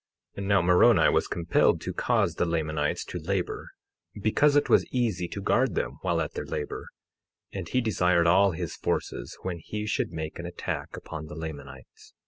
Now Moroni was compelled to cause the Lamanites to labor, because it was easy to guard them while at their labor; and he desired all his forces when he should make an attack upon the Lamanites.